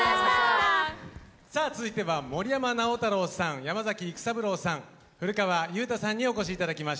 さあ続いては森山直太朗さん山崎育三郎さん古川雄大さんにお越し頂きました。